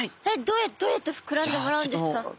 どうやって膨らんでもらうんですか？